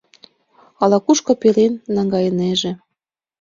— Ала-кушко пелен наҥгайынеже...